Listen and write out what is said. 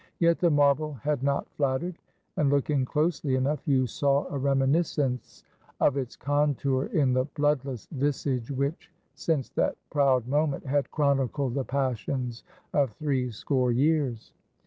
Yet the marble had not flattered, and, looking closely enough, you saw a reminiscence of its contour in the bloodless visage which, since that proud moment, had chronicled the passions of three score years.